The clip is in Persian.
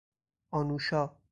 آنوشا